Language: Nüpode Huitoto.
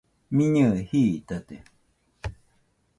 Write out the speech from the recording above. Miñɨe jitate.